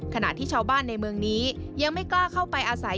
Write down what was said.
ขณะที่ชาวบ้านในเมืองนี้ยังไม่กล้าเข้าไปอาศัย